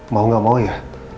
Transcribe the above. mau gak mau ya